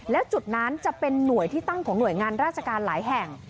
และจุดนั้นจะเป็นหน่วยที่ตั้งของหน่วยงานราชการหลายแห่ง